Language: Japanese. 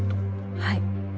はい。